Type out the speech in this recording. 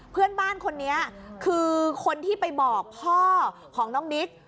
เพื่อนบ้านคนนี้คือคนที่ไปบอกพ่อของน้องนิก